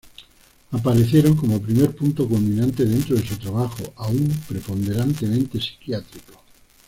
Aparecieron como primer punto culminante dentro de su trabajo aún preponderantemente psiquiátrico.